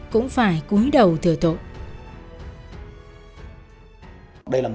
cũng phải cuối đầu thừa tội